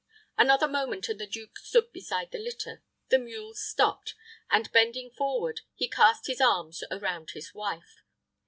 Another moment, and the duke stood beside the litter; the mules stopped, and, bending forward, he cast his arms around his wife.